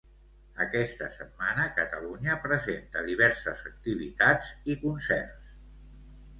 Aquesta setmana Catalunya presenta diverses activitats i concerts.